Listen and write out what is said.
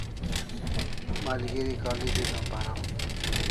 Malgeri college una paraw